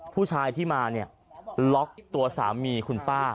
ผู้ชายที่มาเนี่ยล็อกตัวสามีคุณป้า